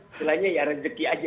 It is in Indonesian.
istilahnya ya rezeki aja